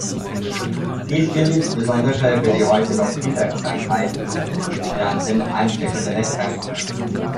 Dies gilt insbesondere für die heute noch Kinderkrankheiten genannten ansteckenden Erkrankungen.